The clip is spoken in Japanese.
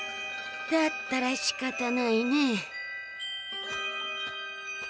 だったらしかたないね。